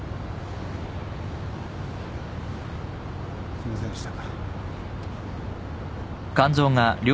すいませんでした。